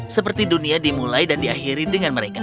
seperti dunia dimulai dan diakhiri dengan mereka